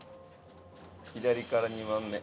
「左から２番目」